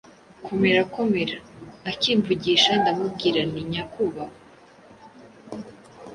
Komera! Komera! Akimvugisha ndamubwira nti ‘Nyakubahwa